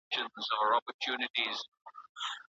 يعني وخت دي ناحقه ضائع کړي دی.